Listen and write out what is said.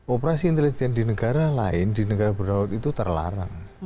operasi intelijen di negara lain di negara berdaulat itu terlarang